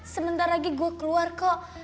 sebentar lagi gue keluar kok